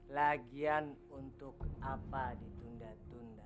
lagian untuk apa ditunda tunda